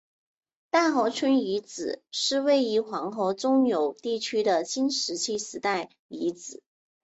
大河村遗址是位于黄河中游地区的新石器时代遗址。